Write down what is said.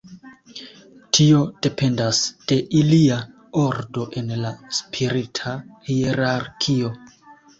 Tio dependas de ilia ordo en la spirita hierarkio.